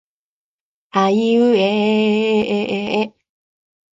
あいうえええええええ